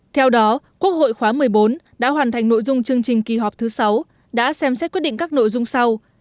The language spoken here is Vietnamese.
theo đó quốc hội khóa một mươi bốn đã hoàn thành nội dung chương trình kỳ họp thứ sáu đã xem xét quyết định các nội dung sau